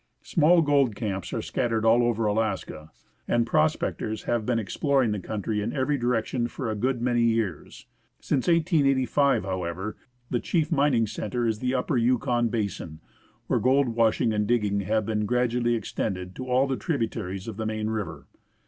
Small gold camps are scattered all over Alaska, and prospectors have been exploring the country in every direction for a good many years. Since 1885, however, the chief mining centre is the Upper Yukon basin, where gold washing and digging have been gradually extended to all the tributaries of the main river.